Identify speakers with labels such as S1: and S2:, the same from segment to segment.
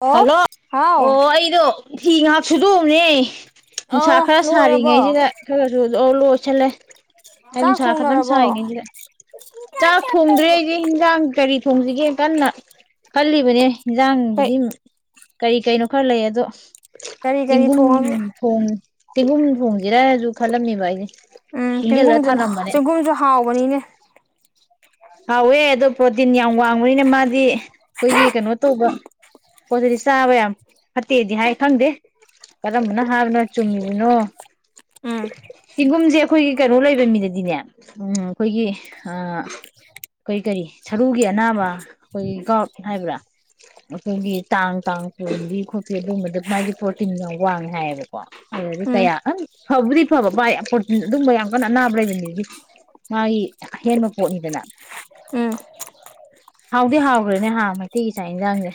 S1: ꯑꯣ
S2: ꯍꯜꯂꯣ ꯑꯣ
S1: ꯍꯥꯎ
S2: ꯑꯩꯗꯣ ꯐꯤ ꯉꯥꯛ ꯁꯨꯗꯣꯑꯝꯅꯦ ꯅꯨꯡꯁꯥ
S1: ꯑꯧ
S2: ꯈꯔ
S1: ꯂꯣꯏꯔꯕꯣ
S2: ꯁꯥꯔꯤꯉꯩꯁꯤꯗ ꯈꯔꯁꯨ ꯂ ꯁꯂꯦ ꯑꯩ
S1: ꯆꯥꯛ
S2: ꯅꯨꯡꯁꯥ ꯈꯇꯪ
S1: ꯊꯣꯡꯅꯔꯕꯣ
S2: ꯁꯥꯏꯉꯩꯁꯤꯗ ꯆꯥꯛ ꯊꯣꯡꯗ꯭ꯔꯦ ꯑꯩꯁꯦ ꯍꯤꯟꯖꯥꯡ ꯀꯔꯤ ꯊꯣꯡꯁꯤꯒ ꯀꯟꯅ ꯈꯜꯂꯤꯕꯅꯦ
S1: ꯀꯩ
S2: ꯌꯦꯟꯖꯥꯡꯕꯨꯗꯤ ꯀꯔꯤ ꯀꯩꯅꯣ ꯈꯔ ꯂꯩ ꯑꯗꯣ
S1: ꯀꯔꯤ ꯀꯔꯤ
S2: ꯆꯦꯡꯒꯨꯝ
S1: ꯊꯣꯡꯉꯒꯦ
S2: ꯐꯣꯟ ꯇꯤꯍꯨꯝ ꯊꯣꯡꯁꯤꯔꯁꯨ ꯈꯜꯂꯝꯃꯦꯕ ꯑꯩꯗꯤ
S1: ꯎꯝ ꯆꯦꯡꯒꯨꯝꯁꯨ ꯆꯦꯡꯒꯨꯝꯁꯨ ꯍꯥꯎꯕꯅꯤꯅꯦ [inaudible]
S2: ꯍꯋꯦ ꯑꯗꯨꯣ ꯄ꯭ꯔꯣꯇꯤꯟ ꯌꯥꯝ ꯋꯥꯡꯕꯅꯤꯅ ꯃꯥꯗꯤ ꯑꯩꯈꯣꯏꯒꯤ ꯀꯩꯅꯣ ꯇꯧꯕ ꯄꯣꯠꯁꯤꯗꯤ ꯆꯥꯕ ꯌꯥꯝ ꯐꯠꯇꯦꯗꯤ ꯍꯥꯏ ꯈꯪꯗꯦ ꯀꯔꯝꯕꯅ ꯍꯥꯏꯕꯅꯣ ꯆꯨꯝꯃꯤꯕꯅꯣ
S1: ꯎꯝ
S2: ꯆꯦꯡꯒꯨꯝꯖꯤ ꯑꯩꯈꯣꯏꯒꯤ ꯀꯩꯅꯣ ꯂꯩꯕ ꯃꯤꯗꯗꯤꯅꯦ ꯑꯩꯈꯣꯏꯒꯤ ꯀꯔꯤ ꯀꯔꯤ ꯁꯔꯨꯒꯤ ꯑꯅꯥꯕ ꯑꯩꯈꯣꯏꯒꯤ ꯒꯥꯎꯠ ꯍꯥꯏꯕ꯭ꯔꯥ ꯑꯩꯈꯣꯏꯒꯤ ꯇꯥꯡ ꯇꯥꯡ ꯄꯣꯝꯕꯤ ꯈꯣꯠꯄꯤ ꯑꯗꯨꯒꯨꯝꯝꯕꯗ ꯃꯥꯏꯗꯤ ꯄ꯭ꯔꯣꯇꯤꯟ ꯌꯥꯝ ꯋꯥꯡꯉꯦ ꯍꯥꯏꯌꯦꯕꯀꯣ ꯑꯗꯨꯗꯤ
S1: ꯎꯝ
S2: ꯀꯌꯥꯪꯕꯨꯗꯤ ꯐꯕ ꯄ꯭ꯔꯣꯇꯤꯟ ꯑꯗꯨꯝꯕ ꯌꯥꯝ ꯀꯟꯅ ꯑꯅꯥꯕ ꯂꯩꯕꯅꯤꯗꯤ ꯃꯥꯒꯤ ꯑꯍꯦꯟꯕ ꯄꯣꯠꯅꯤꯗꯅ
S1: ꯎꯝ
S2: ꯍꯥꯎꯗꯤ ꯍꯥꯎꯈ꯭ꯔꯦꯅꯦ ꯃꯩꯇꯩꯒꯤ ꯆꯥꯛ ꯌꯦꯟꯁꯥꯡꯁꯦ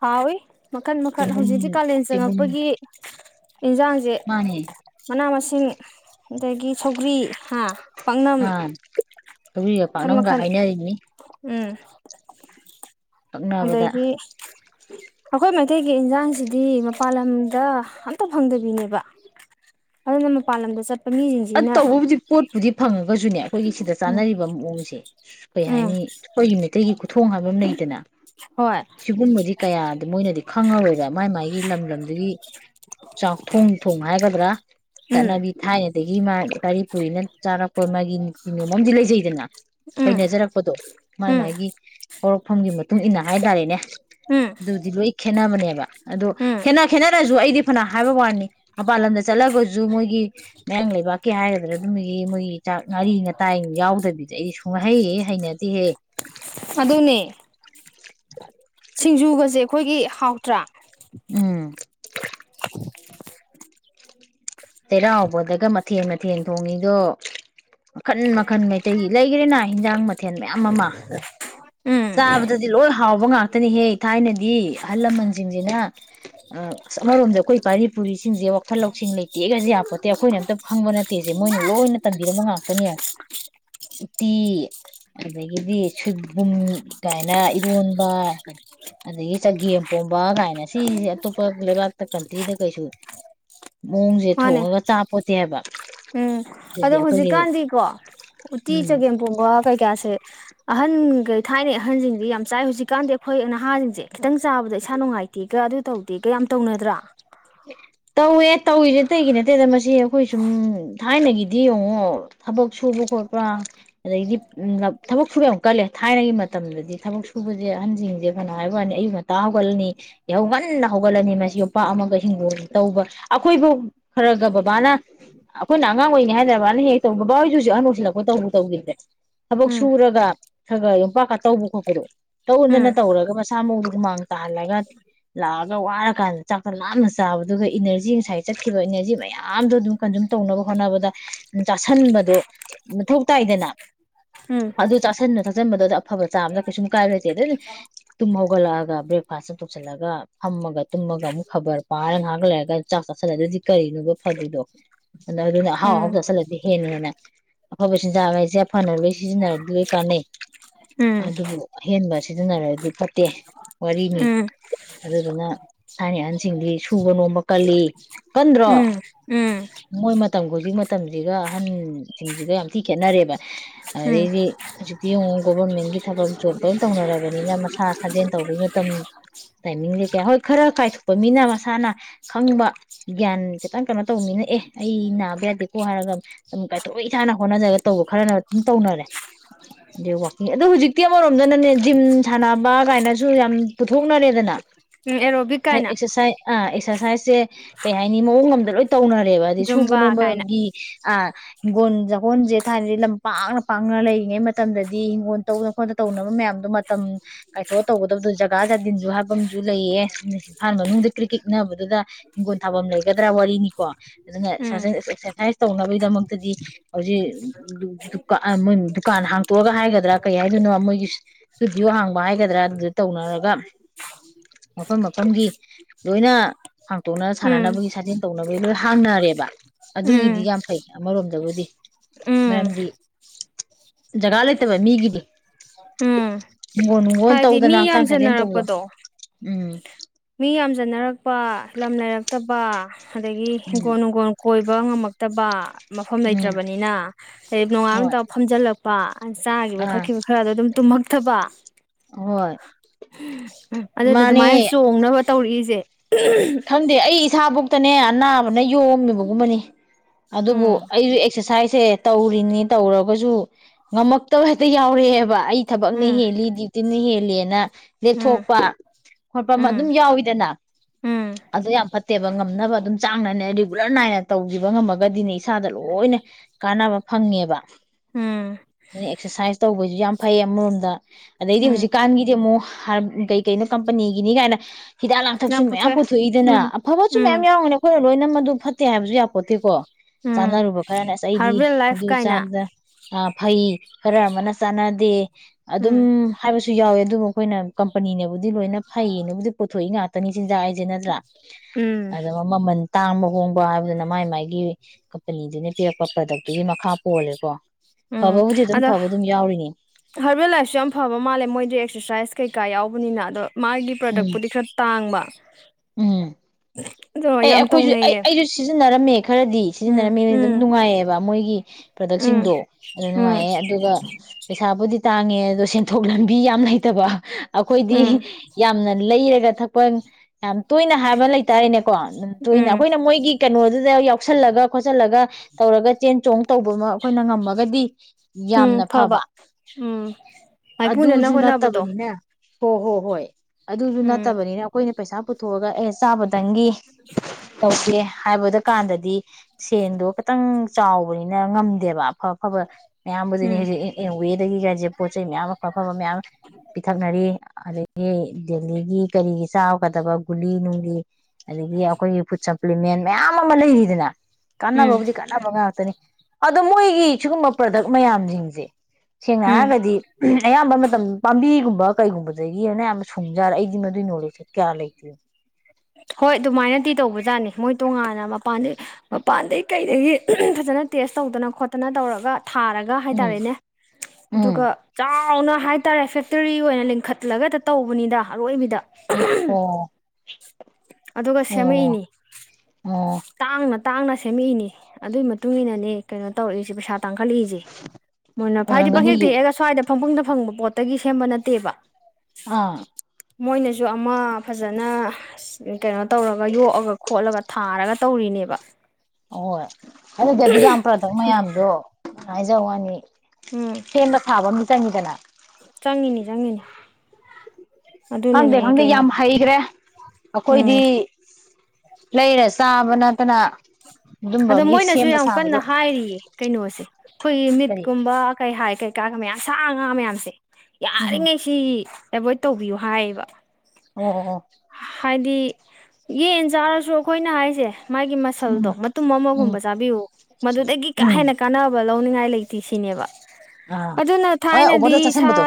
S1: ꯍꯥꯎꯋꯤ ꯃꯈꯜ ꯃꯈꯟ
S2: ꯆꯦꯡꯒꯨꯝ
S1: ꯍꯧꯖꯤꯛꯇꯤ ꯀꯥꯂꯦꯟ
S2: ꯆꯦꯡꯒꯨꯝ
S1: ꯆꯪꯉꯛꯄꯒꯤ ꯏꯟꯁꯥꯡꯁꯦ
S2: ꯃꯥꯅꯦ
S1: ꯃꯅꯥ ꯃꯁꯤꯡ ꯁꯤꯡ ꯑꯗꯒꯤ ꯁꯧꯒ꯭ꯔꯤ ꯍꯥ ꯄꯥꯛꯅꯝ
S2: ꯎꯝ ꯁꯧꯒꯔ꯭ꯤꯒ
S1: ꯃꯈꯟ
S2: ꯄꯥꯛꯅꯝꯒ
S1: ꯃꯈꯟ
S2: ꯍꯥꯏꯅꯔꯤꯅꯤ
S1: ꯎꯝ
S2: ꯄꯛꯅꯕꯗ
S1: ꯑꯗꯒꯤ ꯑꯩꯈꯣꯏ ꯃ ꯃꯇꯩꯒꯤ ꯏꯟꯖꯥꯡꯁꯤꯗꯤ ꯃꯄꯥꯜ ꯂꯝꯗ ꯑꯝꯇ ꯐꯪꯗꯕꯤꯅꯦꯕ ꯑꯗꯨꯅ ꯃꯄꯥꯜ ꯂꯝꯗ ꯆꯠ
S2: ꯑ ꯇꯧꯕꯕꯨꯗꯤ ꯄꯣꯠꯄꯨꯗꯤ ꯐꯪꯉ ꯖꯨꯅꯤ ꯑꯩꯈꯣꯏꯒꯤ ꯁꯤꯗ
S1: ꯎꯝ
S2: ꯆꯥꯅꯔꯤꯕ ꯃꯑꯣꯡꯁꯦ ꯀꯩ
S1: ꯎꯝ
S2: ꯍꯥꯏꯅꯤ ꯑꯩꯈꯣꯏꯒꯤ ꯃꯩꯇꯩꯒꯤ ꯈꯨꯊꯣꯡ ꯍꯥꯏꯕ ꯑꯃ ꯂꯩꯗꯅ
S1: ꯍꯣꯏ
S2: ꯁꯤꯒꯨꯝꯕꯗꯤ ꯀꯌꯥꯗꯤ ꯃꯣꯏꯅꯗꯤ ꯈꯪꯉꯔꯣꯏꯕ ꯃꯥꯏ ꯃꯥꯥꯏꯒꯤ ꯂꯝ ꯑꯗꯒꯤ ꯆꯥꯛꯊꯣꯡ ꯊꯣꯡ ꯍꯥꯏꯒꯗ꯭ꯔꯥ
S1: ꯎꯝ
S2: ꯆꯠꯅꯕꯤ ꯊꯥꯏꯅ ꯑꯗꯒꯤ ꯃꯥ ꯒꯥꯔꯤ ꯄꯨꯔꯤꯅ ꯆꯥꯔꯛꯄ ꯃꯥꯒꯤ ꯅꯤꯇꯤ ꯅꯤꯌꯣꯝꯗꯤ ꯂꯩꯖꯩꯗꯅ
S1: ꯎꯝ
S2: ꯍꯩꯅꯖꯔꯛꯄꯗꯣ ꯃꯥꯥꯏ
S1: ꯎꯝ
S2: ꯃꯥꯒꯤ ꯍꯧꯔꯛꯐꯝꯒꯤ ꯃꯇꯨꯡ ꯏꯟꯅ ꯍꯥꯏꯇꯥꯔꯦꯅꯦ
S1: ꯎꯝ
S2: ꯑꯗꯨꯗꯤ ꯂꯣꯏ ꯈꯦꯠꯅꯕꯅꯦꯕ ꯑꯗꯣ
S1: ꯎꯝ
S2: ꯈꯦꯠꯅ ꯈꯦꯠꯅꯔꯁꯨ ꯑꯩꯗꯤ ꯐꯅ ꯍꯥꯏꯕ ꯋꯥꯅꯤ ꯃꯄꯜ ꯂꯝꯗ ꯆꯠꯂꯒꯁꯨ ꯃꯣꯏꯒꯤ ꯃꯌꯥꯡ ꯂꯩꯕꯥꯛꯀꯤ ꯍꯥꯏꯒꯗ꯭ꯔꯥ ꯑꯗꯨꯝꯒꯤ ꯃꯣꯏꯒꯤ ꯆꯥꯛ ꯉꯥꯔꯤ ꯉꯇꯥꯏ ꯌꯥꯎꯗꯕꯤ ꯑꯩ ꯁꯨꯡꯍꯩꯍꯦ ꯍꯩꯅꯗꯍꯦ
S1: ꯑꯗꯨꯅꯦ ꯁꯤꯡꯖꯨꯒꯁꯦ ꯑꯩꯈꯣꯏꯒꯤ ꯍꯥꯎꯇ꯭ꯔ
S2: [unintelligible] ꯆꯩꯔꯥꯎꯕꯗꯒ ꯃꯊꯦꯟ ꯃꯊꯦꯟ ꯊꯣꯡꯉꯤꯗꯣ ꯃꯈꯟ ꯃꯈꯟ ꯃꯩꯇꯩꯒꯤ ꯂꯩꯈ꯭ꯔꯦꯅꯥ ꯍꯤꯟꯖꯥꯡ ꯃꯊꯦꯜ ꯃꯌꯥꯝ ꯑꯃ
S1: ꯎꯝ
S2: ꯆꯥꯕꯗꯗꯤ ꯂꯣꯏ ꯍꯥꯎꯕ ꯉꯥꯛꯇꯅꯤꯍꯦ ꯊꯥꯏꯅꯗꯤ ꯑꯍꯜ ꯂꯃꯟꯁꯤꯡꯁꯤꯅ ꯑꯃꯔꯣꯝꯗ ꯑꯩꯈꯣꯏ ꯄꯥꯔꯤ ꯄꯨꯔꯤꯁꯤꯡꯁꯦ ꯋꯥꯈꯜ ꯂꯧꯁꯤꯡ ꯂꯩꯇ ꯇꯦꯒꯁ‌ꯦ ꯌꯥꯄꯣꯠꯇꯦ ꯑꯩꯈꯣꯏꯅ ꯑꯝꯇ ꯈꯪꯕ ꯅꯠꯇꯦꯁꯦ ꯃꯣꯏꯅ ꯂꯣꯏꯅ ꯇꯝꯕꯤꯔꯝꯕ ꯉꯥꯛꯇꯅꯦ ꯌ‌ꯦꯎ ꯎꯇꯤ ꯑꯗꯒꯤꯗꯤ ꯁꯣꯏꯕꯨꯝ ꯀꯥꯏꯅ ꯏꯔꯣꯟꯕ ꯑꯗꯒꯤ ꯆꯥꯒꯦꯝ ꯄꯣꯝꯕ ꯀꯥꯏꯅ ꯁꯤꯁꯦ ꯑꯇꯣꯞꯄ ꯂꯩꯕꯥꯛꯇ ꯀꯟꯇ꯭ꯔꯤꯗ ꯀꯩꯁꯨ ꯃꯑꯣꯡꯁꯦ
S1: ꯃꯥꯅꯦ
S2: ꯊꯣꯡꯉꯒ ꯆꯥꯄꯣꯠꯇꯦ ꯍꯥꯏꯕ
S1: ꯎꯝ
S2: ꯑꯗꯨꯗꯤ
S1: ꯑꯗꯣ
S2: ꯑꯩꯈꯣꯏꯒꯤ
S1: ꯍꯧꯖꯤꯛꯀꯥꯟꯗꯤꯀꯣ ꯎꯇꯤ
S2: ꯎꯝ
S1: ꯆꯥꯒꯦꯝ ꯄꯣꯝꯕ ꯀꯩꯀꯥꯁꯦ ꯑꯍꯟꯒꯩ ꯊꯥꯏꯅꯩ ꯑꯍꯟꯁꯤꯡꯁꯤ ꯌꯥꯝ ꯆꯥꯏ ꯍꯧꯖꯤꯛꯀꯥꯟꯗꯤ ꯑꯩꯈꯣꯏ ꯅꯍꯥꯁꯤꯡꯁꯦ ꯈꯤꯇꯪ ꯆꯥꯕꯗ ꯏꯁꯥ ꯅꯨꯡꯉꯥꯏꯇꯦꯒ ꯑꯗꯨ ꯇꯧꯗꯦꯒ ꯌꯥꯝ ꯇꯧꯅꯗ꯭ꯔ
S2: ꯇꯧꯋꯦ ꯇꯧꯏꯁꯦ ꯑꯇꯩꯒꯤ ꯅꯠꯇꯦꯗ ꯃꯁꯤ ꯑꯩꯈꯣꯏ ꯁꯨꯝ ꯊꯥꯏꯅꯒꯤꯗꯤ ꯌꯦꯡꯉꯣ ꯊꯕꯛ ꯁꯨꯕ ꯈꯣꯠꯄ ꯑꯗꯩꯗꯤ ꯊꯕꯛ ꯁꯨꯕ ꯌꯥꯝ ꯀꯜꯂꯦ ꯊꯥꯏꯅꯒꯤ ꯃꯇꯝꯗꯗꯤ ꯊꯕꯛ ꯁꯨꯕꯁꯦ ꯑꯍꯟꯁꯤꯡꯁꯦ ꯐꯅ ꯍꯥꯏꯕ ꯋꯥꯅꯤ ꯑꯌꯨꯛ ꯉꯟꯇꯥ ꯍꯧꯒꯠꯂꯅꯤ ꯌꯥꯍꯧ ꯉꯟꯅ ꯍꯧꯒꯠꯂꯅꯤ ꯃꯁꯤ ꯌꯣꯄꯥꯛ ꯑꯃꯒ ꯍꯤꯡꯒꯣꯜ ꯇꯧꯕ ꯑꯩꯈꯣꯏꯐꯧ ꯈꯔꯒ ꯕꯥꯕꯥꯅ ꯑꯩꯈꯣꯏꯅ ꯑꯉꯥꯡ ꯑꯣꯏꯔꯤꯉꯩ ꯍꯥꯏꯗ ꯕꯥꯕꯥꯅ ꯍꯦꯛ ꯇꯧꯕ ꯕꯥꯕꯥ ꯍꯧꯖꯤꯛ ꯑꯍꯟ ꯑꯣꯏꯁꯤꯜꯂꯛꯄꯩ ꯇꯧꯕ ꯇꯧꯈꯤꯗ꯭ꯔꯦ ꯊꯕꯛ
S1: ꯎꯝ
S2: ꯁꯨꯔꯒ ꯈꯔ ꯈꯔ ꯌꯣꯝꯄꯥꯛꯀ ꯇꯧꯕ ꯈꯣꯠꯄꯗꯣ ꯇꯧꯗꯅ
S1: ꯎꯝ
S2: ꯇꯧꯔꯒ ꯃꯁꯥ ꯃꯎꯗꯣ ꯍꯨꯃꯥꯡ ꯇꯥꯍꯜꯂꯒ ꯂꯥꯛꯑꯒ ꯋꯥꯔꯀꯥꯟꯗ ꯆꯥꯛꯇ‌ꯣ ꯂꯥꯝꯅ ꯆꯥꯕꯗꯨꯒ ꯏꯅꯔꯖꯤ ꯉꯁꯥꯏ ꯆꯠꯈꯤꯕ ꯏꯅꯔꯖꯤ ꯃꯌꯥꯝꯗꯣ ꯑꯗꯨꯝ ꯀꯟꯖꯨꯝ ꯇꯧꯅꯕ ꯍꯣꯠꯅꯕꯗ ꯆꯥꯁꯟꯕꯗꯣ ꯃꯊꯧ ꯇꯥꯏꯗꯅ
S1: ꯎꯝ
S2: ꯑꯗꯨ ꯆꯥꯁꯤꯟꯅ ꯊꯥꯆꯟꯕꯗꯣꯗ ꯑꯐꯕ ꯆꯥꯕꯗ ꯀꯩꯁꯨꯝ ꯀꯥꯏꯕ ꯂꯩꯇꯦ ꯑꯗꯨꯝ ꯇꯨꯝ ꯍꯧꯒꯠꯂꯛꯑꯒ ꯕ꯭ꯔꯦꯛꯐꯥꯁ ꯑꯃ ꯇꯧꯁꯤꯜꯂꯒ ꯐꯝꯃꯒ ꯇꯨꯝꯃꯒ ꯑꯃꯨꯛ ꯈꯕꯔ ꯄꯥꯔꯒ ꯉꯥꯛꯍꯛ ꯂꯩꯔꯒ ꯆꯥꯛ ꯆꯥꯁꯤꯜꯂꯗꯤ ꯀꯔꯤꯅꯣꯕ ꯐꯗꯣꯏꯗꯣ ꯑꯗꯨꯗꯣ ꯑꯗꯨꯅ ꯑꯍꯥꯎ ꯑꯍꯥꯎ ꯆꯥꯁꯤꯜꯂꯗꯤ ꯍꯦꯟꯅ ꯍꯦꯟꯅ ꯑꯐꯕ ꯆꯤꯟꯖꯥꯛꯉꯩꯁꯦ ꯐꯅ ꯂꯣꯏ ꯁꯤꯖꯤꯟꯅꯔꯗꯤ ꯂꯣꯏ ꯀꯥꯟꯅꯩ
S1: ꯎꯝ
S2: ꯑꯗꯨꯕꯨ ꯑꯍꯦꯟꯕ ꯁꯤꯖꯤꯟꯅꯔꯗꯤ ꯐꯠꯇꯦ ꯋꯥꯔꯤꯅꯤ
S1: ꯎꯝ ꯎꯝ
S2: ꯑꯗꯨꯗꯨꯅ ꯊꯥꯏꯅ ꯑꯍꯟꯁꯤꯡꯗꯤ ꯁꯨꯕ ꯅꯣꯝꯕ ꯀꯜꯂꯤ ꯀꯟꯗ꯭ꯔꯣ
S1: ꯎꯝ ꯎꯝ
S2: ꯃꯣꯏ ꯃꯇꯝꯒ ꯍꯧꯖꯤꯛ ꯃꯇꯝꯁꯤꯒ ꯑꯍꯟꯁꯤꯡꯁꯤꯒ ꯌꯥꯝ ꯊꯤ ꯈꯦꯠꯅꯔꯦꯕ
S1: ꯎꯝ
S2: ꯑꯗꯩꯗꯤ ꯍꯧꯖꯤꯛꯇꯤ ꯌꯦꯡꯉꯣ ꯒꯣꯕꯔꯃꯦꯟꯒꯤ ꯊꯕꯛ ꯖꯣꯕ ꯂꯣꯏꯅ ꯇꯧꯅꯔꯕꯅꯤꯅ ꯃꯁꯥ ꯁꯥꯖꯦꯜ ꯇꯧꯕꯒꯤ ꯃꯇꯝ ꯇꯥꯏꯃꯤꯡꯁꯦ ꯀꯌꯥ ꯍꯣꯏ ꯈꯔ ꯀꯥꯏꯊꯣꯛꯄ ꯃꯤꯅ ꯃꯁ ꯏꯁꯥꯅ ꯈꯪꯕ ꯒ꯭ꯌꯥꯟ ꯈꯤꯇꯪ ꯀꯩꯅꯣ ꯇꯧꯕꯅꯤꯅ ꯑꯦ ꯑꯩ ꯅꯥꯕ ꯌꯥꯗꯦꯀꯣ ꯍꯥꯏꯔꯒ ꯑꯗꯨꯝ ꯀꯥꯏꯊꯣꯛ ꯏꯁꯥꯅ ꯍꯣꯠꯅꯖꯔꯒ ꯇꯧꯕ ꯈꯔꯅ ꯑꯗꯨꯝ ꯇꯧꯅꯔꯦ ꯑꯗꯨ ꯋꯥꯛꯀꯤꯡ ꯑꯗꯣ ꯍꯧꯖꯤꯛꯇꯤ ꯑꯃꯔꯣꯝꯗꯅꯅꯦ ꯖꯤꯝ ꯁꯥꯟꯅꯕ ꯀꯥꯏꯅꯁꯨ ꯌꯥꯝ ꯄꯨꯊꯣꯛꯅꯔꯦꯗꯅ
S1: ꯎꯝ ꯑꯦꯔꯣꯕꯤꯛ ꯀꯥꯏꯅ
S2: ꯑ ꯑꯦꯛꯁꯔꯁꯥꯏꯁꯁꯦ ꯀꯩ ꯍꯥꯏꯅꯤ ꯃꯑꯣꯡ ꯑꯃꯝꯗ ꯂꯣꯏ ꯇꯧꯅꯔ ꯕ ꯍꯥꯏꯗꯤ ꯁꯨꯕ
S1: ꯖꯨꯝꯕꯥ ꯀꯥꯏꯅ
S2: ꯅꯣꯝꯕꯒꯤ ꯑ ꯍꯤꯡꯒꯣꯜ ꯆꯪꯐꯝꯁꯦ ꯊꯥꯏꯅꯗꯤ ꯂꯝ ꯄꯥꯛꯅ ꯄꯥꯛꯅ ꯂꯩꯔꯤꯉꯩ ꯃꯇꯝꯗꯗꯤ ꯍꯤꯡꯒꯣꯜ ꯇꯧꯗꯅ ꯈꯣꯠꯇꯅ ꯇꯧꯅꯕ ꯃꯌꯥꯝꯗꯣ ꯃꯇꯝ ꯀꯥꯏꯊꯣꯛꯑ ꯇꯧꯒꯗꯕꯗꯣ ꯖꯒꯥ ꯖꯗꯤꯟꯁꯨ ꯍꯥꯏꯕ ꯑꯃꯁꯨ ꯂꯩꯌꯦ ꯏꯐꯥꯜ ꯃꯅꯨꯡꯗꯗꯤ ꯀ꯭ꯔꯤꯛ ꯀ꯭ꯔꯤꯛ ꯏꯟꯅꯕꯗꯨꯗ ꯍꯤꯡꯒꯣꯜ ꯊꯥꯐꯝ ꯂꯩꯒꯗ꯭ꯔ ꯋꯥꯔꯤꯅꯤꯀꯣ ꯑꯗꯨꯅ ꯁꯥ
S1: ꯎꯝ
S2: ꯁ ꯑꯦꯛꯁꯔꯁꯥꯏꯁ ꯇꯧꯅꯕꯒꯤꯗꯃꯛꯇꯗꯤ ꯍꯧꯖꯤꯛ ꯗꯨꯏ ꯗꯨꯀꯥꯟ ꯍꯥꯡꯇꯣꯛꯑꯒ ꯍꯥꯏꯒꯗ꯭ꯔ ꯀꯩ ꯍꯥꯏꯗꯣꯏꯅꯣ ꯃꯣꯏꯒꯤ ꯏꯁꯇꯨꯗꯤꯑꯣ ꯍꯥꯡꯕ ꯍꯥꯏꯒꯗ꯭ꯔ ꯑꯗꯨꯗ ꯇꯧꯅꯔꯒ ꯃꯐꯝ ꯃꯐꯝꯒꯤ ꯂꯣꯏꯅ ꯍꯥꯡꯇꯣꯛꯅꯔ
S1: ꯎꯝ
S2: ꯁꯥꯟꯅꯅꯕꯒꯤ ꯁꯥꯖ‌ꯦꯟ ꯇꯧꯅꯕꯒꯤ ꯂꯣꯏ ꯍꯥꯡꯅꯔꯦꯕ
S1: ꯎꯝ
S2: ꯑꯗꯨꯒꯤꯗꯤ ꯌꯥꯝ ꯐꯩ ꯑꯃꯔꯣꯝꯗꯕꯨꯗꯤ
S1: ꯎꯝ
S2: ꯃꯔꯝꯗꯤ ꯖꯒꯥ ꯂꯩꯇꯕ ꯃꯤꯒꯤꯗꯤ
S1: ꯎꯝ
S2: ꯍꯤꯡꯒꯣꯜ ꯅꯨꯡꯒꯣꯜ
S1: ꯍꯥꯏꯗꯤ
S2: ꯇꯧꯗꯅ
S1: ꯃꯤ
S2: ꯍꯛꯆꯥꯡ ꯁꯥꯖꯦꯜ ꯇꯧꯕꯗꯣ
S1: ꯌꯥꯝꯖꯟꯅꯔꯛꯄꯗꯣ
S2: ꯎꯝ
S1: ꯐꯖꯅꯔꯛꯄ ꯂꯝ ꯂꯩꯔꯛꯇꯕ ꯑꯥ ꯑꯗꯒꯤ
S2: ꯎꯝ
S1: ꯍꯤꯡꯒꯣꯜ ꯅ‌ꯣꯡꯒ‌ꯣꯜ ꯀꯣꯏꯕ ꯉꯝꯃꯛꯇꯕ ꯃꯐꯝ
S2: ꯎꯝ
S1: ꯂꯩꯇ꯭ꯔꯕꯅꯤꯅ ꯍ‌ꯦꯛ ꯅꯣꯡꯉꯥꯟ ꯅꯨꯃꯤꯠ
S2: ꯍꯣꯏ
S1: ꯇꯥꯐꯧ ꯐꯝꯖꯤꯜꯂꯛ ꯄ ꯆꯥꯈꯤꯕ
S2: ꯑꯥ
S1: ꯊꯛꯈꯤꯕ ꯈꯔꯗꯣ ꯑꯗꯨꯝ ꯇꯨꯝꯍ ꯃꯛꯇꯕ
S2: ꯍꯣꯏ
S1: ꯑꯗꯨꯅ
S2: ꯃꯥꯅꯦ
S1: ꯑꯗꯨꯃꯥꯏꯅ ꯆꯣꯡꯅꯕ ꯇꯧꯔꯛꯏꯁꯦ
S2: ꯈꯪꯗꯦ ꯑꯩ ꯏꯁꯥꯕꯨꯛ ꯇꯅꯦ ꯑꯅꯥꯕꯅ ꯌꯣꯝꯃꯤꯕꯒꯨꯝꯕꯅꯤ ꯑꯗꯨꯕꯨ
S1: ꯎꯝ
S2: ꯑꯩꯁꯨ ꯑꯦꯛꯁꯔꯁꯥꯏꯁ ꯁꯦ ꯇꯧꯔꯤꯅꯤ ꯇꯧꯔꯒꯁꯨ ꯉꯝꯃꯛꯇꯕ ꯍꯦꯛꯇ ꯌꯥꯎꯔꯛꯑꯦꯕ ꯑꯩ ꯊꯕꯛꯅ
S1: ꯎꯝ
S2: ꯍꯦꯜꯂꯤ ꯗꯌꯨꯇꯤꯅ ꯍꯦꯜ ꯏꯅ
S1: ꯎꯝ
S2: ꯂꯦꯛꯊꯣꯛꯄ ꯈꯣꯠꯄ ꯑꯃ
S1: ꯎꯝ
S2: ꯑꯗꯨꯝ ꯌꯥꯎꯋꯤꯗꯅ
S1: ꯎꯝ
S2: ꯑꯗꯨꯗ ꯌꯥꯝ ꯐꯠꯇꯦꯕ ꯉꯝꯅꯕ ꯑꯗꯨꯝ ꯆꯥꯡꯅꯅꯦ ꯔꯤꯒꯨꯂꯔ ꯅꯥꯏꯅ ꯇꯧꯈꯤꯕ ꯉꯝꯃꯒꯗꯤꯅꯦ ꯏꯁꯥꯗ ꯂꯣꯏꯅ ꯀꯥꯟꯅꯕ ꯐꯪꯉꯦꯕ
S1: ꯎꯝ
S2: ꯑ ꯑꯦꯛꯁꯔꯁꯥꯏꯁ ꯇꯧꯕꯁꯨ ꯌꯥꯝ ꯐꯩ ꯑꯃꯔꯣꯝꯗ ꯑꯗꯩꯗꯤ
S1: ꯎꯝ
S2: ꯍꯧꯖꯤꯛꯀꯥꯟꯒꯤꯗꯤ ꯑꯃꯨꯛ ꯀꯩ ꯀꯩꯅꯣ ꯀꯝꯄꯅꯤꯒꯤꯅꯤ ꯀꯥꯏꯅ ꯍꯤꯗꯥꯛ ꯂꯥꯡꯊꯛꯁꯨ
S1: ꯌꯥꯝ
S2: ꯃꯌꯥꯝ
S1: ꯄꯨꯊꯣꯛꯑꯦ
S2: ꯄꯨꯊꯣꯛꯏꯗꯅ
S1: ꯎꯝ
S2: ꯑꯐꯕꯁꯨ ꯃꯌꯥꯝ
S1: ꯎꯝ
S2: ꯌꯥꯎꯅꯤ ꯑꯩꯈꯣꯏꯅ ꯂꯣꯏꯅ ꯃꯗꯨ ꯐꯠꯇꯦ ꯍꯥꯏꯕꯁꯨ ꯌꯥꯄꯣꯠꯇꯦꯀꯣ
S1: ꯎꯝ
S2: ꯆꯥꯅꯔꯨꯕ ꯈꯔꯅꯦ ꯑꯁ ꯑꯩꯗꯤ
S1: ꯍꯥꯔꯕꯦꯜ ꯂꯥꯏꯐ
S2: ꯑꯗꯨ
S1: ꯀꯥꯏꯅ
S2: ꯆꯥꯕꯗ ꯐꯩ ꯈꯔ ꯑꯃꯅ ꯆꯥꯟꯅꯗꯦ ꯑꯗꯨꯝ
S1: ꯎꯝ
S2: ꯍꯥꯏꯕꯁꯨ ꯌꯥꯎꯋꯦ ꯑꯗꯨꯕꯨ ꯑꯩꯈꯣꯏꯅ ꯀꯝꯄꯅꯤꯅꯕꯨꯗꯤ ꯂꯣꯏꯅ ꯐꯩꯌꯦꯅꯕꯨꯗꯤ ꯄꯨꯊꯣꯛꯏ ꯉꯥꯛꯇꯅꯤ ꯁꯤꯗꯁꯦ ꯅꯠꯇ꯭ꯔꯥ
S1: ꯎꯝ
S2: ꯃꯃꯜ ꯇꯥꯡꯕ ꯍꯣꯡꯕ ꯍꯥꯏꯕꯗꯨꯅ ꯃꯥꯏ ꯃꯥꯥꯏꯒꯤ ꯀꯝꯄꯅꯤꯗꯨꯅ ꯄꯤꯔꯛꯄ ꯄ꯭ꯔꯗꯛꯇꯨꯒꯤ ꯃꯈꯥ ꯄꯣꯜꯂꯦꯀꯣ
S1: ꯎꯝ
S2: ꯐꯕꯕꯨꯗꯤ ꯑꯗꯨꯝ
S1: ꯑꯗ
S2: ꯐꯕ ꯑꯗꯨꯝ ꯌꯥꯎꯔꯤꯅꯤ
S1: ꯍꯔꯕꯦꯜ ꯂꯥꯏꯁꯨ ꯌꯥꯝ ꯐꯕ ꯃꯥꯜꯂꯦ ꯃꯣꯏꯗꯤ ꯑꯦꯛꯁꯔꯁꯥꯏꯁ ꯀꯩꯀꯥ ꯌꯥꯎꯕꯅꯤꯅ ꯑꯗꯣ ꯃꯥꯒꯤ
S2: ꯎꯝ
S1: ꯄ꯭ꯔꯗꯛꯄꯨꯗꯤ ꯈꯔ ꯇꯥꯡꯕ
S2: ꯎꯝ
S1: ꯑꯗꯣ
S2: ꯑꯦ
S1: ꯌꯥꯝ
S2: ꯑꯩꯈꯣꯏꯁꯨ ꯑꯩ
S1: ꯇꯧꯅꯩꯌꯦ
S2: ꯑꯩꯁꯨ ꯁꯤꯖꯤꯟꯅꯔꯝꯃꯦ ꯈꯔꯗꯤ
S1: ꯎꯝ
S2: ꯁꯤꯖꯤꯟꯅꯔꯝꯃꯦꯅ ꯑꯗꯨꯝ
S1: ꯎꯝ
S2: ꯅꯨꯡꯉꯥꯏꯌꯦꯕ ꯃꯣꯏꯒꯤ [inaudible]
S1: ꯎꯝ
S2: ꯄ꯭ꯔꯗꯛꯁꯤꯡꯗꯣ ꯑꯗꯨ
S1: ꯎꯝ
S2: ꯅꯨꯡꯉꯥꯏꯌꯦ ꯑꯗꯨꯒ ꯄꯩꯁꯥꯕꯨꯗꯤ ꯇꯥꯡ ꯪꯉꯦ ꯑꯗꯣ ꯁꯦꯟꯊꯣꯛ ꯂꯝꯕꯤ ꯌꯥꯝ ꯂꯩꯇꯕ [unintelligible] ꯑꯩꯈꯣꯏꯗꯤ
S1: ꯎꯝ
S2: ꯌꯥꯝꯅ ꯂꯩꯔꯒ ꯊꯛꯄ ꯌꯥꯝ ꯇꯣꯏꯅ ꯍꯥꯏꯕ ꯂꯩꯇꯥꯔꯦꯅꯦꯀꯣ ꯇꯣꯏꯅ
S1: ꯎꯝ
S2: ꯑꯩꯈꯣꯏꯅ ꯃꯣꯏꯒꯤ ꯀꯩꯅꯣꯗꯨꯗ ꯌꯥꯎꯁꯜꯂꯒ ꯈꯣꯠꯆꯜꯂꯒ ꯇꯧꯔꯒ ꯆꯦꯟ ꯆꯣꯡ ꯇꯧꯕ ꯑꯃ ꯑꯩꯈꯣꯏꯅ ꯉꯝꯃꯒꯗꯤ ꯌꯥꯝꯅ ꯐꯕ
S1: ꯎꯝ ꯃꯥꯏꯄꯨꯅꯅ
S2: ꯑꯗꯨꯁꯨ
S1: ꯍꯣꯠꯅꯕꯗꯣ
S2: ꯅꯠꯇꯕꯅꯤꯅꯦ ꯍꯣ ꯍꯣ ꯍꯣꯏ ꯑꯗꯨꯁꯨ
S1: ꯎꯝ
S2: ꯅꯠꯇꯕꯅꯤꯅ ꯑꯩꯈꯣꯏꯅ ꯄꯩꯁꯥ ꯄꯨꯊꯣꯒ ꯑꯦ ꯆꯆꯥꯥꯕꯗꯪꯒꯤ ꯇꯧꯁꯦ ꯍꯥꯏꯕꯗ ꯀꯥꯟꯗꯗꯤ ꯁꯦꯟꯗꯣ ꯈꯤꯇꯪ ꯆꯥꯎꯕꯅꯤꯅ ꯉꯝꯗꯦꯕ ꯑꯐ ꯑꯐꯕ ꯃꯌꯥꯝꯕꯨꯗꯨꯅꯤ
S1: ꯎꯝ
S2: ꯍꯧꯖꯤꯛ ꯑꯦꯟ ꯋꯦꯗꯒꯤ ꯀꯥꯏꯁꯦ ꯄꯣꯠ ꯆꯩ ꯃꯌꯥꯝ ꯑꯐ ꯑꯐꯕ ꯃꯌꯥꯝ ꯄꯤꯊꯛꯅꯔꯤ ꯑꯗꯒꯤ ꯗꯦꯜꯂꯤꯒꯤ ꯀꯔꯤꯒꯤ ꯁꯥꯐ ꯐꯗꯕ ꯒꯨꯂꯤ ꯅꯨꯡꯂꯤ ꯑꯗꯒꯤ ꯑꯩꯈꯣꯏꯒꯤ ꯐꯨꯗ ꯁꯝꯄ꯭ꯂꯤꯃꯦꯟ ꯃꯌꯥꯝ ꯑꯃ ꯂꯩꯔꯤꯗꯅ ꯀꯅꯥꯒ
S1: ꯎꯝ
S2: ꯍꯕꯗꯤ ꯀꯅꯥ ꯃꯉ ꯍꯥꯇꯅꯤ ꯑꯗ ꯃꯍꯤꯒꯤ ꯁꯤꯒꯨꯝꯕ ꯄ꯭ꯔꯗꯛ ꯃꯌꯥꯝꯁꯤꯡꯁꯦ ꯁꯦꯡꯅ
S1: ꯎꯝ
S2: ꯍꯥꯏꯔꯒꯗꯤ ꯑꯌꯥꯝꯕ ꯃꯇꯝꯗ ꯄꯥꯝꯕꯤꯒꯨꯝꯕ ꯀꯩꯒꯨꯝꯕꯗꯒꯤꯅꯌꯥꯝ ꯁꯣꯡꯖꯥꯔ ꯑꯩꯗꯤ ꯃꯗꯨꯏ ꯅꯣꯂꯦꯖꯦ ꯀꯌꯥ ꯂꯩꯇꯨ
S1: ꯍꯣꯏ ꯑꯗꯨꯃꯥꯏꯅꯗꯤꯤ ꯇꯧꯕꯖꯥꯠꯅꯤ ꯃꯣꯏ ꯇꯣꯉꯥꯟꯅ ꯃꯄꯥꯟꯗꯩ ꯃꯄꯥꯟꯗꯩ ꯀꯩꯗꯒꯤ ꯐꯖꯅ ꯇꯦꯁ ꯇꯧꯗꯅ ꯈꯣꯠꯇꯅ ꯇꯧꯔꯒ ꯊꯥꯔꯒ
S2: ꯎꯝ
S1: ꯍꯥꯏꯇꯥꯔꯦꯅꯦ
S2: ꯎꯝ
S1: ꯑꯗꯨꯒ ꯆꯥꯎꯅ ꯍꯥꯏꯇꯥꯔꯦ ꯐꯦꯛꯇꯔꯤ ꯑꯣꯏꯅ ꯂꯤꯡꯈꯠꯂꯒꯇ ꯇꯧꯕꯅꯤꯗ ꯑꯔꯣꯏꯕꯤꯗ
S2: ꯑꯥ ꯑꯣ
S1: ꯑꯗꯨꯒ
S2: ꯑꯣ
S1: ꯁꯦꯝꯃꯛꯏꯅꯤ
S2: ꯑꯣ
S1: ꯇꯥꯡꯅ ꯇꯥꯡꯅ ꯁꯦꯝꯃꯛꯏꯅꯤ ꯑꯗꯨꯒꯤ ꯃꯇꯨꯡ ꯏꯟꯅꯅꯦ ꯀꯩꯅꯣ ꯇꯧꯔꯛꯏꯁꯦ ꯄꯩꯁꯥ ꯇꯥꯡꯈꯠꯂꯛꯏꯁꯦ ꯃꯣꯏꯅ ꯐꯥꯏꯗꯤ ꯄꯪ
S2: ꯑꯣꯏꯔꯝꯒꯅꯤ
S1: ꯍꯦꯛꯛꯇꯛꯑꯒ ꯁ꯭ꯋꯥꯏꯗ ꯄꯪ ꯐꯪꯕ ꯄꯣꯠꯇꯒꯤ ꯁꯦꯝꯕ ꯅꯠꯇꯦꯕ
S2: ꯑꯥ
S1: ꯃꯣꯏꯅꯁꯨ ꯑꯃ ꯐꯖꯅ ꯑ ꯀꯩꯅꯣ ꯇꯧꯔꯒ ꯌꯣꯛꯑꯒ ꯈꯣꯠꯂꯒ ꯊꯥꯔꯒ ꯇꯧꯔꯤꯅꯦꯕ
S2: ꯍ‌ꯣꯏ ꯑꯗꯨꯗꯤ ꯑꯗꯨ ꯌꯥꯝ ꯄ꯭ꯔꯗꯛ ꯃꯌꯥꯝꯗꯣ ꯍꯥꯏꯖꯥꯎꯅꯤ
S1: ꯎꯝ
S2: ꯁꯦꯝꯦꯟꯕ ꯁꯥꯕ ꯑꯃ ꯆꯪꯉꯤꯗꯅ
S1: ꯆꯪꯉꯤꯅꯤ ꯆꯪꯉꯤꯅꯤ
S2: ꯈꯪꯗꯦ
S1: ꯑꯗꯨꯅꯅꯦ
S2: ꯈꯪꯗꯦ
S1: ꯀꯩꯅꯣ
S2: ꯌꯥꯝ ꯍꯩꯈ꯭ꯔꯦ
S1: ꯎꯝ
S2: ꯑꯩꯈꯣꯏꯗꯤ ꯂꯩꯔ ꯆꯥꯕꯅ [unintelligible]
S1: ꯑꯗꯣ ꯃꯣꯏꯅꯁꯨ ꯌꯥꯝ ꯀꯟꯅ ꯍꯥꯏꯔꯤꯌꯦ ꯀꯩꯅꯣꯁꯦ ꯑꯩꯈꯣꯏꯒꯤ
S2: ꯀꯔꯤ
S1: ꯃꯤꯠꯀꯨꯝꯕ ꯀꯩ ꯍꯥꯏ ꯀꯩꯀꯥ ꯃꯌꯥꯝ ꯁꯥ ꯉꯥ ꯃꯌꯥꯝꯁꯦ
S2: ꯎꯝ
S1: ꯌꯥꯔꯉꯁꯤ ꯑꯦꯚꯣꯏꯠ ꯇꯧꯕꯤꯌꯨ ꯍꯥꯏꯌꯦꯕ
S2: ꯑꯣ
S1: ꯍꯥꯏꯗꯤ ꯌꯦꯟ ꯆꯥꯔꯁꯨ ꯑꯩꯈꯣꯏꯅ ꯍꯥꯏꯁꯦ ꯃꯥꯒꯤ
S2: ꯎꯝ
S1: ꯃꯁꯜꯗꯣ ꯇꯨꯝ
S2: ꯎꯝ
S1: ꯑꯃꯒꯨꯝꯕ ꯆꯥꯕꯤꯌꯨ ꯃꯗꯨꯗꯒꯤ ꯀꯥ
S2: ꯎꯝ
S1: ꯍꯦꯟꯅ ꯀꯥꯟꯅꯕ ꯂꯧꯅꯤꯡꯉꯥꯏ ꯏꯂꯦꯛꯇ꯭ꯔꯤꯛꯁꯤꯅꯦꯕ
S2: ꯑꯥ
S1: ꯑꯗꯨꯅ
S2: ꯍꯣꯏ ꯑꯣꯚꯔꯗ
S1: ꯊꯥꯏꯅꯗꯤ ꯁꯥ
S2: ꯆꯥꯁꯤꯟꯕꯗꯣ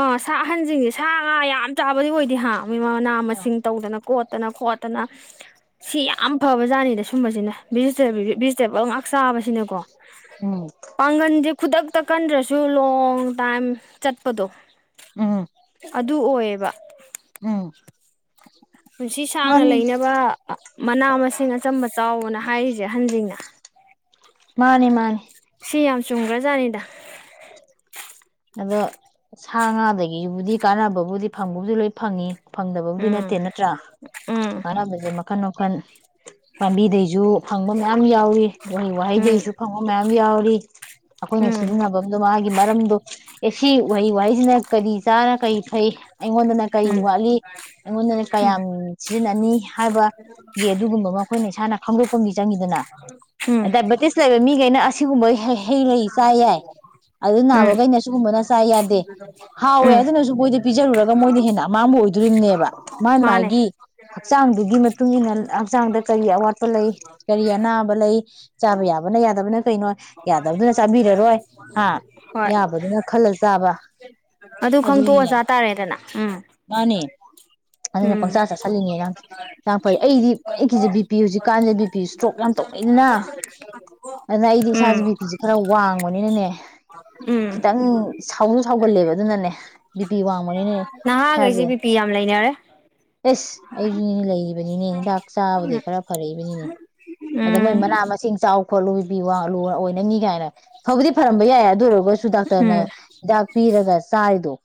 S1: ꯑꯥ ꯁꯥ ꯑꯍꯟꯁꯤꯡꯁꯦ ꯁꯥ ꯉꯥ ꯌꯥꯝ ꯆꯥꯕ ꯗꯤ ꯑꯣꯏꯗꯤ ꯍꯥ ꯃꯅꯥ ꯃꯁꯤꯡ ꯇꯧꯗꯅ ꯀꯣꯠꯇꯅ ꯈꯣꯠꯇꯅ ꯁꯤ ꯌꯥꯝ ꯐꯕ ꯖꯥꯠꯅꯤꯗ ꯁꯨꯝꯕꯁꯤꯅꯦ ꯚꯤꯖꯤꯇꯦꯕꯜ ꯚꯤꯖꯤꯇꯦꯕꯜ ꯉꯍꯥꯛ ꯆꯥꯕꯁꯤꯅꯦꯀꯣ
S2: ꯎꯝ
S1: ꯄꯒꯟꯗꯦ ꯈꯨꯗꯛꯇ ꯀꯟꯗ꯭ꯔꯁꯨ ꯂꯣꯡ ꯇꯥꯏꯝ ꯆꯠꯄꯗꯣ
S2: ꯎꯝ
S1: ꯑꯗꯨ ꯑꯣꯏꯌꯦꯕ
S2: ꯎꯝ
S1: ꯄꯨꯟꯁꯤ ꯁꯥꯡꯅ
S2: ꯃꯥꯅꯤ
S1: ꯂꯩꯅꯕ ꯃꯅꯥ ꯃꯁꯤꯡ ꯑꯆꯝꯕ ꯆꯥꯎꯕꯅ ꯍꯥꯏꯔꯤꯁꯦ ꯑꯍꯟꯁꯤꯡꯅ
S2: ꯃꯥꯅꯦ ꯃꯥꯅꯤ
S1: ꯁꯤ ꯌꯥꯝ ꯆꯨꯝꯈ꯭ꯔꯖꯥꯠꯅꯤꯗ
S2: ꯑꯗꯣ ꯁꯥ ꯉꯥꯗꯒꯤꯕꯨꯗꯤ ꯀꯥꯟꯅꯕꯕꯨꯗꯤ ꯐꯪꯕꯕꯨꯗꯤ ꯂꯣꯏ ꯐꯪꯉꯤ ꯐꯪꯗꯕꯕꯨꯗꯤ ꯅꯠꯇꯦ
S1: ꯎꯝ
S2: ꯅꯠꯇ꯭ꯔꯥ
S1: ꯎꯝ
S2: ꯑꯍꯥꯟꯅꯕꯁꯦ ꯃꯈꯟ ꯃꯈꯜ ꯄꯥꯝꯕꯤꯗꯩꯁꯨ ꯍꯪꯕ ꯌꯥꯝ ꯌꯥꯎꯋ ꯋꯥꯍꯩ
S1: ꯎꯝ
S2: ꯋꯥꯍꯩꯗꯁꯨ ꯐꯪꯕ ꯃꯌꯥꯝ ꯕꯤ ꯌꯥꯎꯂꯤ ꯑꯩꯈꯣꯏꯅ
S1: ꯎꯝ
S2: ꯁꯤꯖꯤꯟꯅꯐꯝ ꯑꯗꯣ ꯃꯥꯒꯤ ꯃꯔꯝꯗꯣ ꯑꯦ ꯁꯤ ꯋꯥꯍꯩ ꯋꯥꯍꯩꯁꯤꯅ ꯀꯔꯤ ꯆꯥꯔ ꯀꯔꯤ ꯐꯩ ꯑꯩꯉꯣꯟꯗꯅ ꯀꯔꯤ
S1: ꯎꯝ
S2: ꯋꯥꯠꯂꯤ ꯑꯩꯉꯣꯟꯗꯅ ꯀꯌꯥꯝ ꯁꯤꯖꯤꯟꯅꯅꯤ ꯍꯥꯏꯕꯒꯤ ꯑꯗꯨꯒꯨꯝꯕ ꯑꯃ ꯑꯩꯈꯣꯏꯅ ꯏꯁꯥꯅ ꯈꯪꯗꯣꯛ ꯄꯨꯡꯗꯤ ꯆꯪꯈꯤꯗꯅ
S1: ꯎꯝ
S2: ꯗꯥꯏꯕꯦꯇꯤꯁꯂꯕ ꯃꯤ ꯈꯩꯅ ꯁꯤꯒꯨꯝꯕ ꯍꯩ ꯂꯩ ꯆꯥꯏ ꯌꯥꯏ ꯑꯗꯨ
S1: ꯎꯝ ꯎꯝ
S2: ꯅꯥꯕꯈꯩꯅ ꯁꯤꯒꯨꯝꯕꯅ ꯆꯥ ꯌꯥꯗꯦ ꯍꯥꯎꯏ
S1: ꯎꯝ
S2: ꯍꯥꯏꯗꯨꯅꯁꯨ ꯃꯣꯏꯗꯤ ꯄꯤꯖꯔꯨꯔꯒ ꯃꯣꯏꯅ ꯍꯦꯟꯅ ꯑꯃꯥꯡꯕ ꯑꯣꯏꯗꯣꯔꯤꯕꯅꯦꯕ ꯃꯥꯥꯏ
S1: ꯃꯥꯅꯦ
S2: ꯃꯥꯥꯏꯒꯤ ꯍꯛꯆꯥꯡꯗꯨꯒꯤ ꯃꯇꯨꯡ ꯏ ꯃꯇꯨꯡꯏꯟꯅ ꯍꯛꯆꯥꯡꯗ ꯀꯔꯤ ꯑꯋꯥꯠꯄ ꯂꯩ ꯀꯔꯤ ꯑꯅꯥꯕ ꯂꯩ ꯆꯥꯕ ꯌꯥꯕꯅ ꯌꯥꯗꯕꯅ ꯀꯩꯅꯣ ꯌꯥꯗꯕꯗꯨꯅ ꯆꯥꯕꯤꯔꯔꯣꯏ ꯍꯥꯥ
S1: ꯍꯣꯏ
S2: ꯌꯥꯕꯗꯨ ꯖꯥꯕ
S1: ꯑꯗꯨ ꯈꯪꯇꯣꯛꯑ ꯆꯥ ꯇꯥꯔꯦꯗꯅ ꯎꯝ
S2: ꯃꯥꯅꯦ ꯑꯗꯨꯅ
S1: ꯎꯝ
S2: ꯄꯪꯆꯥ ꯆꯥꯁꯤꯜꯂꯤꯉꯦ ꯅꯪ ꯑꯩꯗꯤ ꯕꯤꯄꯤ ꯍꯧꯖꯤꯛꯀꯥꯟꯁꯦ ꯕꯤꯄꯤ ꯏꯁꯇ꯭ꯔꯣꯛ ꯌꯥꯝ ꯇꯧꯅꯩꯗꯅ ꯑꯗꯨꯅ ꯑꯩꯗꯤ ꯏꯁꯥꯁꯦ
S1: ꯎꯝ
S2: ꯕꯤꯄꯤꯁꯦ ꯈꯔ ꯋꯥꯡꯕꯅꯤꯅꯅꯦ
S1: ꯎꯝ
S2: ꯈꯤꯇꯪ ꯁꯥꯎꯁꯨ ꯁꯥꯎꯒꯜꯂꯦꯕ ꯑꯗꯨꯅꯅꯦ ꯕꯤꯄꯤ ꯋꯥꯡꯕ
S1: ꯅꯍꯥꯈꯩꯁꯦ ꯕꯤꯄꯤ ꯌꯥꯝ ꯂꯩꯅꯔꯦ
S2: ꯑꯦꯁ ꯑꯩꯖꯨꯅꯤꯅꯦ ꯂꯩꯔꯤꯕꯅꯤꯅꯦ ꯍꯤꯗꯥꯛ ꯆꯥꯕꯗꯤ
S1: ꯎꯝ
S2: ꯈꯔ ꯐꯔꯛꯏꯕꯅꯤꯅꯦ ꯑꯗ
S1: ꯎꯝ
S2: ꯃꯣꯏ ꯃꯅꯥ ꯃꯁꯤꯡ ꯆꯥꯎ ꯈꯣꯠꯂꯨ ꯕꯤ ꯄꯤ ꯂꫭ ꯑꯣꯏꯅꯅꯤ ꯀꯥꯏꯅ ꯐꯥꯕꯨꯗꯤ ꯐꯔꯝꯕ ꯌꯥꯏ ꯑꯗꯨ ꯑꯣꯏꯔꯒꯁꯨꯨ ꯗꯥꯛ ꯇ꯭ꯔꯅ
S1: ꯎꯝ
S2: ꯍꯤꯗꯥꯛ ꯄꯤ ꯔꯒ ꯆꯥꯏꯗꫭ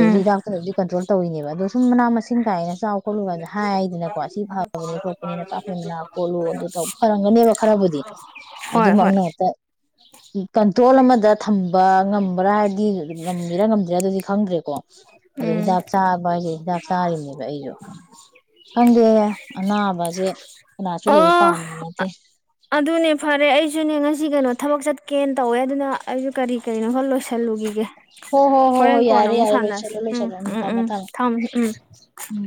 S1: ꯎꯝ
S2: ꯗꯥꯛꯇꯨꯅꯕꯨꯗꯤ ꯀꯟꯇ꯭ꯔꯣꯜ ꯇꯧꯔꯤꯅꯦꯕ ꯑꯗꯣ ꯁꯨꯝ ꯃꯅꯥ ꯃꯁꯤꯡ ꯀꯥꯏꯅ ꯆꯥꯎ ꯈꯠꯂꯨ ꯀ ꯍꯥꯏꯗꯅ ꯍꯥꯏꯗꯅ ꯀꯣ ꯁꯤ ꯐꯕꯅꯤ ꯈꯣꯠꯄꯅꯤꯅ ꯅꯄꯥꯛꯄꯤ ꯄꯥꯅꯥ ꯈꯣꯠꯂꯨ ꯑꯗꯨ ꯐꯔꯝꯒꯅꯦꯕ ꯈꯔꯕꯨꯗꯤ
S1: ꯍꯣꯏ ꯍꯣꯏ
S2: ꯑꯗꯨꯃꯛꯃꯛꯅ ꯍꯦꯛꯇ ꯀꯟꯇ꯭ꯔꯣꯜ ꯑꯃꯗ ꯊꯝ ꯕ ꯉꯝꯕ꯭ꯔꯥ ꯍꯥꯏꯕꯗꯤ ꯉꯝꯃꯤꯔꯥ ꯉꯝꯗ꯭ꯔꯤꯔꯥ ꯑꯗꯨꯗꯤ ꯈꯪꯗ꯭ꯔꯦꯀꯣ ꯑꯗꯣ
S1: ꯎꯝ
S2: ꯍꯤꯗꯥꯛ ꯆꯥꯕ ꯍꯥꯏꯁꯦ ꯍꯤꯗꯥꯛ ꯆꯥꯔꯤꯝꯅꯦꯕ ꯑꯩꯖꯨ ꯈꯪꯗꯦ ꯑꯅꯥꯕꯆꯦ ꯀꯅꯥꯁꯨ
S1: ꯑꯣ
S2: ꯂꯩ ꯄꯥꯝꯕ ꯅꯠꯇꯦ
S1: ꯑꯗꯨꯅꯦ ꯐꯔꯦ ꯑꯩꯁꯨꯅꯦ ꯉꯁꯤ ꯀꯩꯅꯣ ꯊꯕꯛ ꯆꯠꯀꯦꯅ ꯇꯧꯋꯦ ꯑꯗꯨꯅ ꯑꯩꯁꯨ ꯀꯔꯤ ꯀꯔꯤꯅꯣ ꯈꯔ ꯂꯣꯏꯁꯤꯜꯂꯨꯈꯤꯒꯦ
S2: ꯍꯣ ꯍꯣ ꯍꯣ
S1: ꯍꯣꯔꯦꯟ
S2: ꯍꯣꯏ
S1: ꯀꯣꯟꯅꯣ
S2: ꯌꯥꯔꯦ
S1: ꯑꯃꯨꯛ
S2: ꯌꯥꯔꯦ
S1: ꯁꯥꯟꯅꯔꯁꯤ
S2: ꯂꯣꯏꯁꯤꯜꯂꯣ
S1: ꯎꯝ
S2: ꯂꯣꯏꯁꯤꯜꯂꯣ
S1: ꯎꯝ ꯎꯝ
S2: ꯊꯝꯃꯦ ꯊꯝꯃꯦ
S1: ꯊꯝꯃ ꯎꯝ
S2: ꯎꯝ